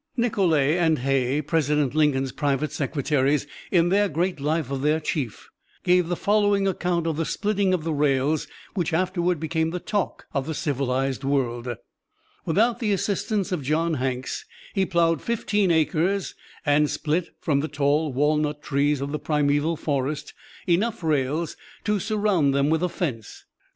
Nicolay and Hay, President Lincoln's private secretaries, in their great life of their chief, gave the following account of the splitting of the rails which afterward became the talk of the civilized world: "Without the assistance of John Hanks he plowed fifteen acres, and split, from the tall walnut trees of the primeval forest, enough rails to surround them with a fence.